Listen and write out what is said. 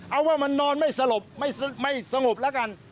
เอาว่ามันนอนไม่สลบไม่สงบแล้วกัน